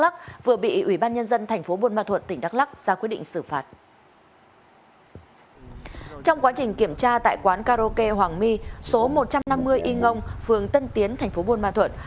trong quá trình kiểm tra tại quán karaoke hoàng my số một trăm năm mươi y ngông phường tân tiến thành phố buôn ma thuận